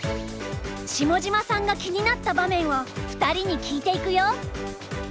下島さんが気になった場面を２人に聞いていくよ。